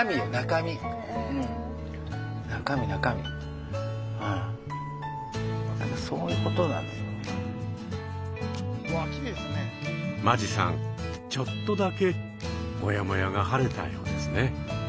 間地さんちょっとだけもやもやが晴れたようですね。